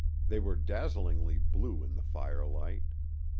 They were dazzlingly blue in the firelight.